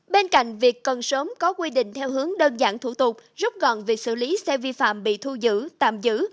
bên cạnh việc cần sớm có quy định theo hướng đơn giản thủ tục rút gọn việc xử lý xe vi phạm bị thu giữ tạm giữ